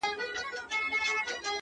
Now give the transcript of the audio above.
o نسه نه وو نېمچه وو ستا د درد په درد،